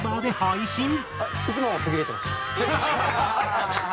いつも途切れてました。